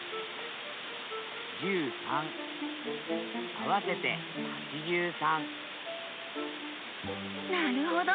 合わせて８３なるほど！